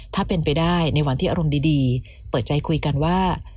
ถ้าเป็นไปได้ในวันที่อารมณ์ดีเปิดใจคุยกันว่า